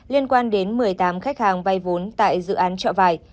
liên quan đến một mươi tám khách hàng vay vốn tại dự án trọ vải